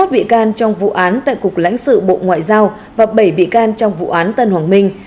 hai mươi bị can trong vụ án tại cục lãnh sự bộ ngoại giao và bảy bị can trong vụ án tân hoàng minh